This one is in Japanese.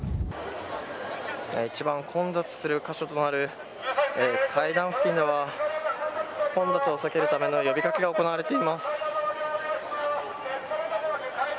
一番混雑する箇所となる階段付近では混雑を避けるための呼び掛けが行われています。